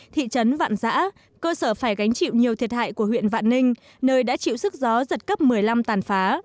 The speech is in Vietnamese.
thị trấn vạn giã cơ sở phải gánh chịu nhiều thiệt hại của huyện vạn ninh nơi đã chịu sức gió giật cấp một mươi năm tàn phá